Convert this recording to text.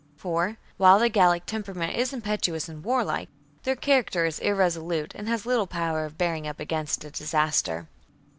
For, while the Gallic temperament is impetuous and warlike, their character is irresolute and has little power of bearing up against disaster.